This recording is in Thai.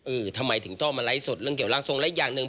เออทำไมถึงท่อมะไร้สดเรื่องเกี่ยวรังทรงและอีกอย่างหนึ่ง